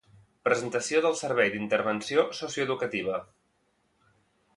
Presentació del Servei d'Intervenció Socioeducativa